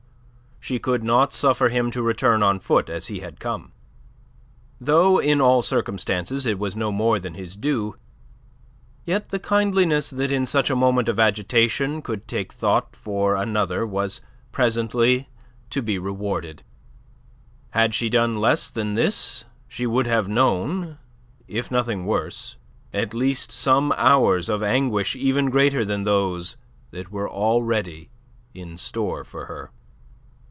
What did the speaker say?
She could not suffer him to return on foot as he had come. Though in all the circumstances it was no more than his due, yet the kindliness that in such a moment of agitation could take thought for another was presently to be rewarded. Had she done less than this, she would have known if nothing worse at least some hours of anguish even greater than those that were already in store for her.